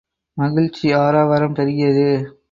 மகிழ்ச்சி ஆரவாரம் பெருகியது.